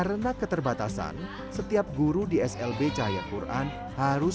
terus berubah menjadi seorang guru